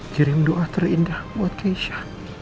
kirim doa terindah buat keisha